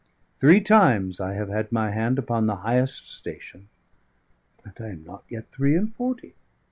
Three times I have had my hand upon the highest station: and I am not yet three and forty.